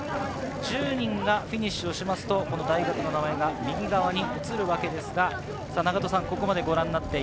１０人がフィニッシュすると大学の名前が右側に移ります。